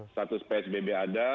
status psbb ada